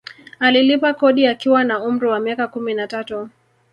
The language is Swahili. Alilipa kodi akiwa na umri wa miaka kumi na tatu